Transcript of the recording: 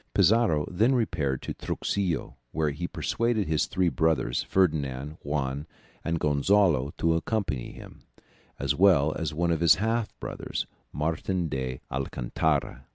Pizarro then repaired to Truxillo, where he persuaded his three brothers Ferdinand, Juan, and Gonzalo to accompany him, as well as one of his half brothers Martin d'Alcantara.